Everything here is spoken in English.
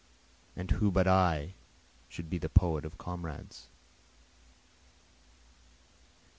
And who but I should be the poet of comrades?